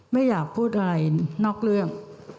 ไม่อยากพูดอะไรนอกเรื่อง